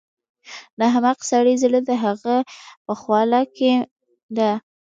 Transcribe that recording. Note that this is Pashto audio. د احمق سړي زړه د هغه په خوله کې دی.